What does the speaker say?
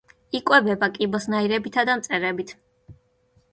იკვებება კიბოსნაირებითა და მწერებით.